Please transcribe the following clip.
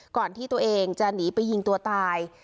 ก่อนที่ตัวเองจะหนีไปยิงตัวตาย